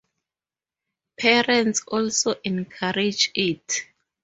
Parents also encourage it.